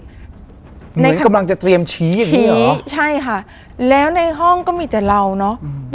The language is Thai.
เหมือนกำลังจะเตรียมชี้อย่างนี้ชี้ใช่ค่ะแล้วในห้องก็มีแต่เราเนอะ